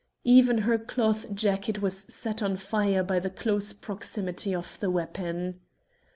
Even her cloth jacket was set on fire by the close proximity of the weapon.